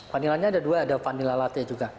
vanilanya ada dua ada vanila latte juga